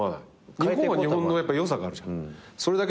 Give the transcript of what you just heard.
日本は日本の良さがあるじゃん。